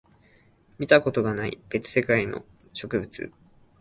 見たことがない別世界の植物